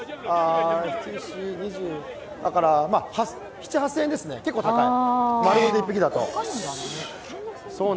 ７８０００円ですね、結構高い。